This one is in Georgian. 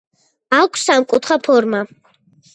აქვს სამკუთხა ფორმა.